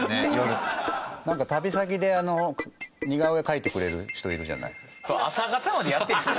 旅先で似顔絵を描いてくれる人いるじゃない。